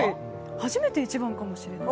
初めて一番かもしれない。